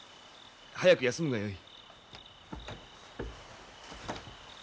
早く休むがよい。